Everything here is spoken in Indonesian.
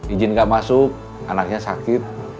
izin nggak masuk anaknya sakit